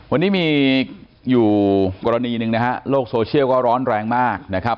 วันนี้มีอยู่กรณีหนึ่งนะฮะโลกโซเชียลก็ร้อนแรงมากนะครับ